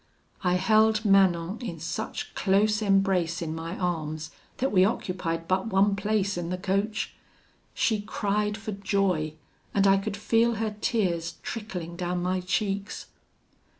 "I held Manon in such close embrace in my arms, that we occupied but one place in the coach. She cried for joy, and I could feel her tears trickling down my cheeks.